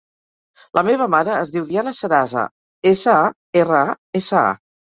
La meva mare es diu Diana Sarasa: essa, a, erra, a, essa, a.